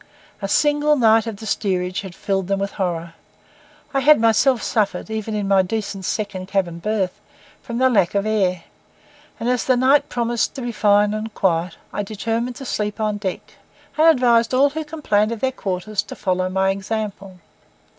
A single night of the steerage had filled them with horror. I had myself suffered, even in my decent second cabin berth, from the lack of air; and as the night promised to be fine and quiet, I determined to sleep on deck, and advised all who complained of their quarters to follow my example.